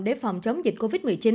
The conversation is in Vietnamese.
để phòng chống dịch covid một mươi chín